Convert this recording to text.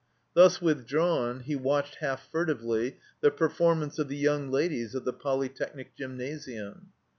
Thus withdrawn, he watched, half furtively, the performance of the yoimg ladies of the Poljrtechnic Gymnasiimi.